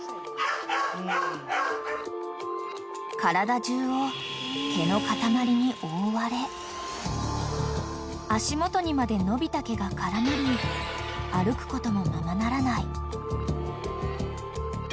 ［体中を毛の塊に覆われ足元にまで伸びた毛が絡まり歩くこともままならない］